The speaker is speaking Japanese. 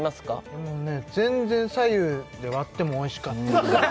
あのね全然左右で割ってもおいしかったです